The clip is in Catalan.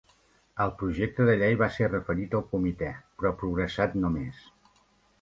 El projecte de llei va ser referit al Comitè, però progressat no més.